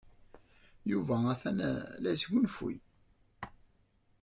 Yuba atan la yesgunfuy.